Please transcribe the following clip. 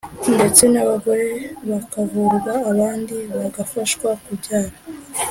ndetse n’abagore bakavurwa abandi bagafashwa kubyara